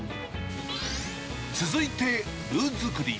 続いて、ルー作り。